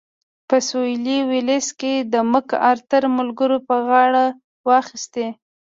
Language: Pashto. په سوېلي ویلز کې د مک ارتر ملګرو پر غاړه واخیست.